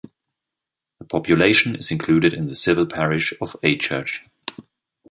The population is included in the civil parish of Achurch.